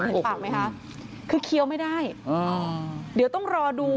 เห็นปากไหมคะคือเคี้ยวไม่ได้เดี๋ยวต้องรอดู